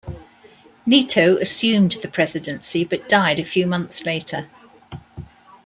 Nieto assumed the presidency but died a few months later.